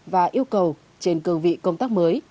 và yêu cầu trên cường vị công tác mới